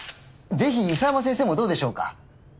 ぜひ伊佐山先生もどうでしょうか？